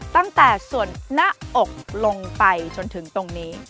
ตั้งแต่ส่วนหน้าอกลงไปจนถึงตรงนี้